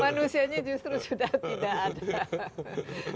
manusianya justru sudah tidak ada